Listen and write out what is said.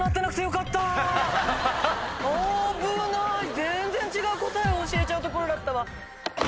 全然違う答えを教えちゃうところだったわ。